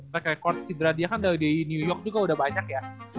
track record cedera dia kan dari new york juga udah banyak ya